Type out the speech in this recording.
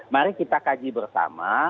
mari kita kaji bersama